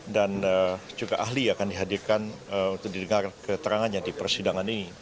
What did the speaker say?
dan juga ahli akan dihadirkan untuk didengar keterangannya di persidangan ini